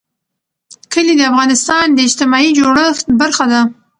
کلي د افغانستان د اجتماعي جوړښت برخه ده.